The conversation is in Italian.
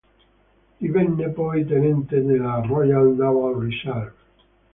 Divenne poi tenente nella Royal Naval Reserve.